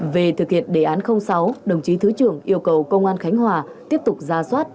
về thực hiện đề án sáu đồng chí thứ trưởng yêu cầu công an khánh hòa tiếp tục ra soát